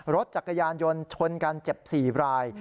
รถจักรยานยนต์ชนกันเจ็บ๔ราย